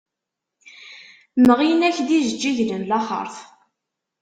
Mɣin-ak-d ijeǧǧigen n laxeṛt.